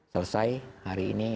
selesai hari ini